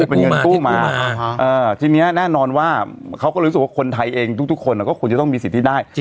เป็นเงินกู้มาทีนี้แน่นอนว่าเขาก็เลยรู้สึกว่าคนไทยเองทุกคนก็ควรจะต้องมีสิทธิ์ที่ได้